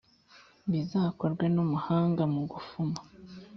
bizakorwe n’umuhanga mu gufuma